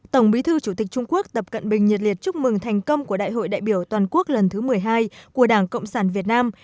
tổng bí thư chủ tịch trung quốc tập cận bình nhiệt liệt chúc mừng thành công của đại hội đại biểu toàn quốc lần thứ một mươi hai của đảng cộng sản việt nam